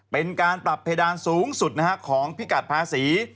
เป็นการปรับเพดานสูงสุดของพิกัดภาษี